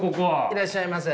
いらっしゃいませ。